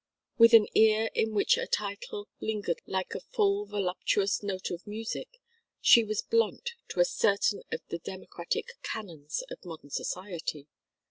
With an ear in which a title lingered like a full voluptuous note of music, she was blunt to certain of the democratic canons of modern society.